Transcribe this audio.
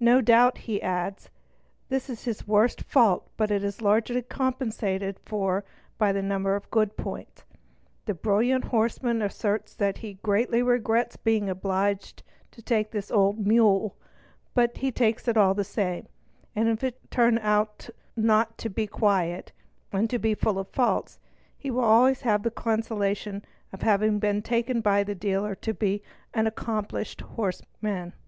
no doubt, he adds, this is his worst fault but it is largely compensated for by a number of good points. The brilliant horseman asserts that he greatly regrets being obliged to take this "'old mule", but he takes it all the same; and if it should turn out not to be quiet and to be full of faults, he will always have the consolation of having been taken by the dealer to be "an accomplished horseman "'.